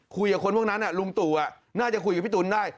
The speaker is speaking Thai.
คุยกับคนพวกนั้นลุงตู่น่าจะคุยกับพี่ตูนได้